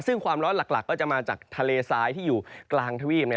ซึ่งความร้อนหลักก็จะมาจากทะเลซ้ายที่อยู่กลางทวีป